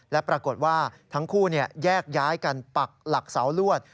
และปรากฏว่าทั้งคู่แยกย้ายกันปักหลักเสาลวด